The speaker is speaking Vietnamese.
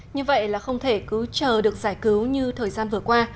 như vậy là không thể cứ chờ được giải cứu như thời gian vừa qua